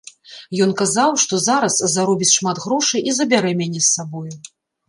Ён казаў, што зараз заробіць шмат грошай і забярэ мяне з сабою.